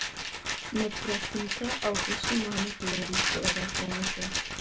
متراسینکه او خوشی محمد له روسیې راستانه شول.